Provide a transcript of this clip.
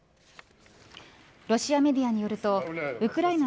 ロシアメディアによるとウクライナ